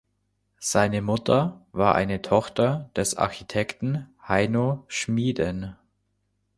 Seine Mutter war eine Tochter des Architekten Heino Schmieden.